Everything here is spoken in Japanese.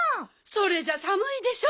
それじゃさむいでしょ。